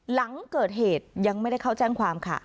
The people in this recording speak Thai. หลังเกิดเหตุยังไม่ได้เข้าแจ้งความค่ะ